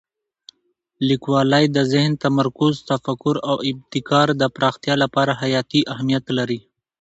لیکوالی د ذهن تمرکز، تفکر او ابتکار د پراختیا لپاره حیاتي اهمیت لري.